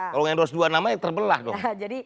kalau endorse dua nama ya terbelah dong